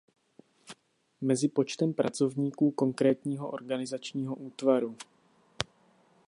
Mezi počtem pracovníků konkrétního organizačního útvaru.